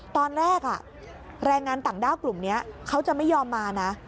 ตอนแรกแรงงานต่างด้าวกลุ่มนี้เขาจะไม่ยอมมานะ